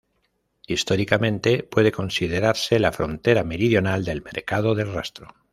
Históricamente puede considerarse la frontera meridional del mercado del Rastro.